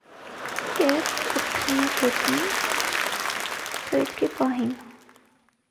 Կերը կտցում է գետնից՝ թռիչքի պահին։